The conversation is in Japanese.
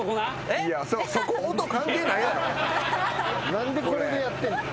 何でこれでやってんねん。